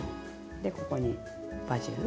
でここにバジル。